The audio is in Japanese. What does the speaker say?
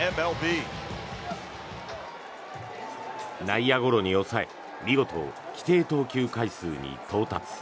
内野ゴロに抑え見事、規定投球回数に到達。